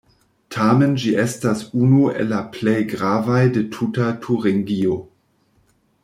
Tamen ĝi estas unu el la plej gravaj de tuta Turingio.